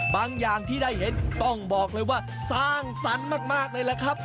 อย่างที่ได้เห็นต้องบอกเลยว่าสร้างสรรค์มากเลยล่ะครับ